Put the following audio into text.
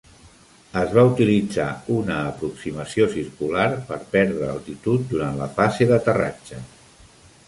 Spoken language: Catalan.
Es va utilitzar una aproximació circular per perdre altitud durant la fase d'aterratge.